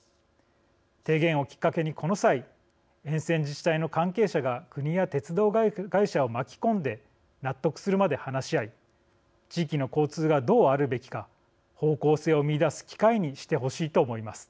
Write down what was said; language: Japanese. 提言をきっかけにこの際、沿線自治体の関係者が国や鉄道会社を巻き込んで納得するまで話し合い地域の交通がどうあるべきか方向性を見いだす機会にしてほしいと思います。